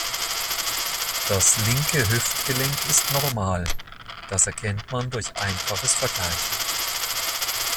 Das linke Hüftgelenk ist normal, das erkennt man durch einfaches Vergleichen.